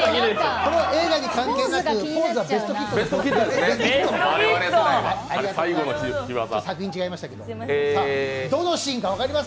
この映画に関係なくポーズは「ベストキッド」です。